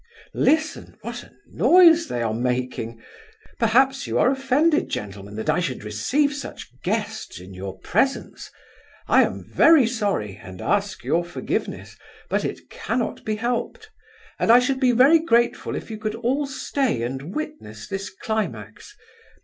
Listen! what a noise they are making! Perhaps you are offended, gentlemen, that I should receive such guests in your presence? I am very sorry, and ask your forgiveness, but it cannot be helped—and I should be very grateful if you could all stay and witness this climax.